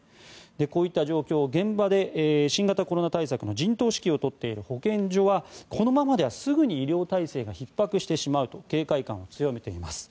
こういった状況を現場で新型コロナ対策の陣頭指揮を執っている保健所はこのままではすぐに医療体制がひっ迫してしまうと警戒感を強めています。